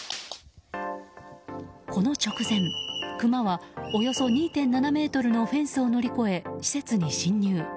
この直前、クマはおよそ２．７ｍのフェンスを乗り越え施設に侵入。